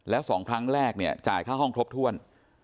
แล้ว๒ครั้งแรกเนี่ยจ่ายค่าห้องครบถ้วน